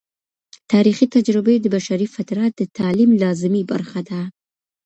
تاریخي تجربې د بشري فطرت د تعلیم لازمي برخه ده.